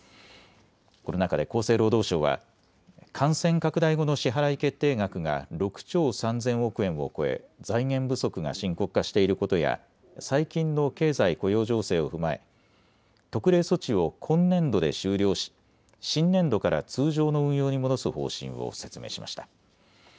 この中で厚生労働省は感染拡大後の支払い決定額が６兆３０００億円を超え財源不足が深刻化していることや最近の経済・雇用情勢を踏まえ特例措置を今年度で終了し新年度から通常の運用に戻す方針を説明しました。